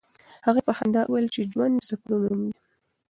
هغې په خندا وویل چې ژوند د سفرونو نوم دی.